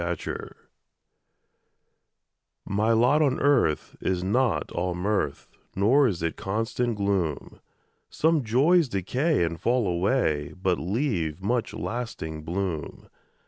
MY LOT My lot on earth is not all mirth, Nor is it constant gloom; Some joys decay and fall away, But leave much lasting bloom.